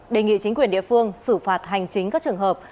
đề nghị chính quyền địa phương xử phạt hành chính các trường hợp